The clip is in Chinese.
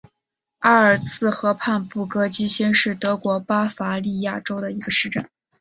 阿尔茨河畔布格基兴是德国巴伐利亚州的一个市镇。